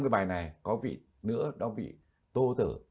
bài này có vị nữa đó vị tô tử